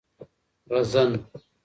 غزن